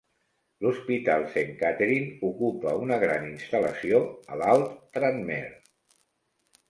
L'hospital Saint Catherine ocupa una gran instal·lació al Alt Tranmere.